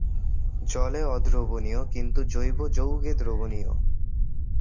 জলে অদ্রবনীয় কিন্তু জৈব যৌগে দ্রবণীয়।